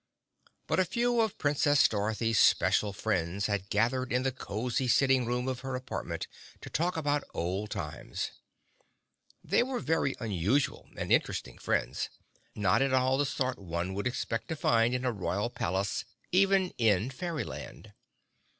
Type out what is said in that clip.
But a few of Princess Dorothy's special friends had gathered in the cozy sitting room of her apartment to talk about old times. They were very unusual and interesting friends, not at all the sort one would expect to find in a royal palace, even in Fairyland.